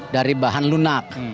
dari bahan lunak